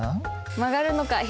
曲がるのか？